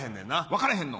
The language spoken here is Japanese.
分かれへんの？